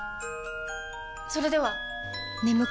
それでは！